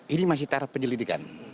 ini masih tarif penyelidikan